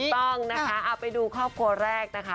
ต้องนะคะเอาไปดูครอบครัวแรกนะคะ